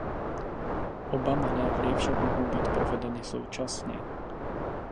Oba manévry však mohou být provedeny současně.